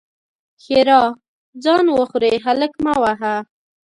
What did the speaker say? ښېرا: ځان وخورې؛ هلک مه وهه!